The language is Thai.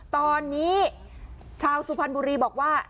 ตอนนี้ชาวสุพรรณบุรีบอกว่า